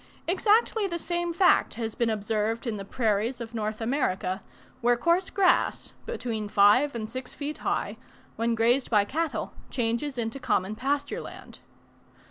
Exactly the same fact has been observed in the prairies of North America, where coarse grass, between five and six feet high, when grazed by cattle, changes into common pasture land.